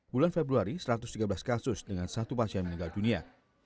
bulan februari satu ratus tiga belas kasus dengan satu pasien meninggal dunia